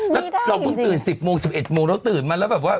มีได้จริงจริงเราตื่นสิบโมงสิบเอ็ดโมงแล้วตื่นมาแล้วแบบว่า